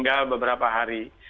kami akan mempersiapkan diri